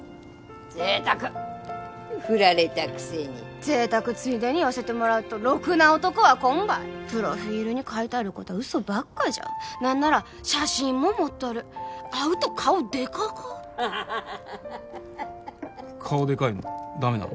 贅沢っふられたくせに贅沢ついでに言わせてもらうとろくな男はこんばいプロフィールに書いてあるこた嘘ばっかじゃ何なら写真も盛っとる会うと顔でかか顔でかいのダメなの？